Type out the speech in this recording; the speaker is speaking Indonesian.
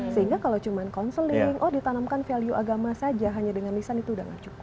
sehingga kalau cuma counseling oh ditanamkan value agama saja hanya dengan lisan itu udah gak cukup